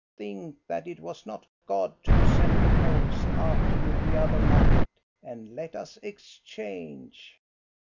Think that it was not God who sent the wolves after you the other night, and let us exchange!"